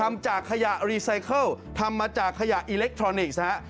ทำจากขยะรีไซเคิลทำมาจากขยะอิเล็กทรอนิกส์ฮะ